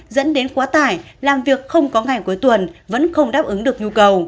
dẫn đến quá tải làm việc không có ngày cuối tuần vẫn không đáp ứng được nhu cầu